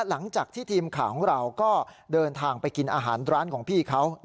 หลังจากที่ทีมข่าวของเราก็เดินทางไปกินอาหารร้านของพี่เขา